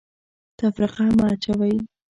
تفرقه مه اچوئ